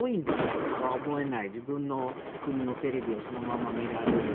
言葉を覚えない自分の国のテレビをそのまま見られる。